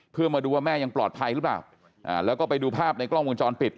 เพื่อมาดูว่าแม่ยังปลอดภัยหรือเปล่าแล้วก็ไปดูภาพในกล้องวงจรปิด